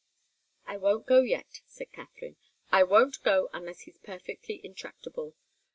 "I won't go yet," said Katharine. "I won't go unless he's perfectly intractable.